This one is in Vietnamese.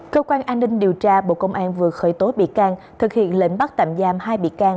cơ quan an ninh điều tra bộ công an vừa khởi tố bị can thực hiện lệnh bắt tạm giam hai bị can